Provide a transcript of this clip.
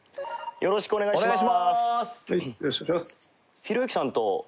よろしくお願いします。